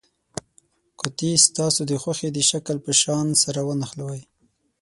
قطي ستاسې د خوښې د شکل په شان سره ونښلوئ.